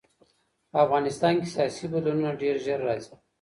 په افغانستان کې سیاسي بدلونونه ډېر ژر راځي.